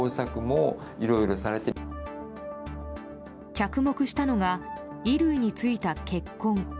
着目したのが衣類に付いた血痕。